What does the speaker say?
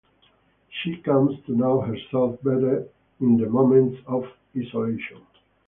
She comes to know herself better in the moments of isolation.